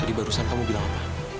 jadi barusan kamu bilang apa